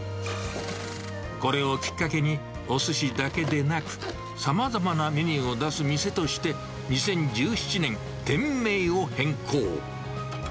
これをきっかけに、おすしだけでなく、さまざまなメニューを出す店として、２０１７年、店名を変更。